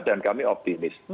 dan kami optimis